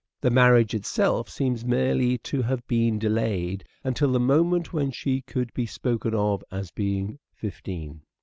The marriage itself seems merely to have been delayed until the moment when she could be spoken of as being fifteen.